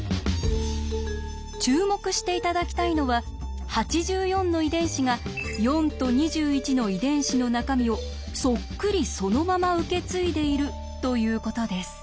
注目して頂きたいのは８４の遺伝子が４と２１の遺伝子の中身をそっくりそのまま受け継いでいるということです。